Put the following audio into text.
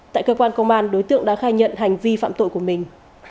tại cơ quan công an đối tượng đã khai nhận hành vi phạm tội của mình